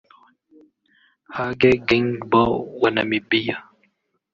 Hage Geingob wa Namibia